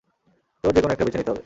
তোর যেকোন একটা বেছে নিতে হবে।